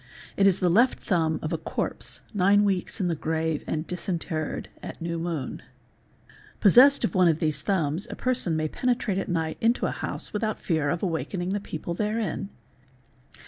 It is the left thumb of a corpse nine weeks in the grave and disinterred at new moon. Possessed of one of these thumbs a person may penetrate at night into a house without fear of awaking the people therein.